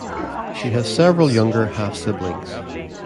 She has several younger half-siblings.